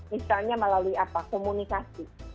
misalnya melalui apa komunikasi